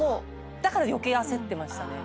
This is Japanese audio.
だから余計焦ってましたね。